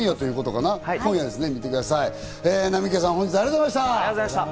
今夜ですね。